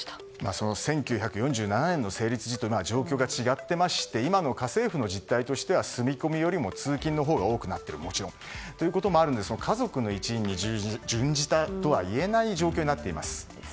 その１９４７年の成立時と状況が違っていまして今の家政婦の実態としては住み込みよりも通勤のほうがもちろん多くなっているということもあるので家族の一員に準じたとは言えない状況になっています。